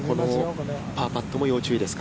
このパーパットも要注意ですか。